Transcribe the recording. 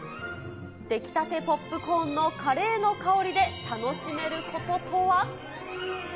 出来たてポップコーンのカレーの香りで楽しめることとは？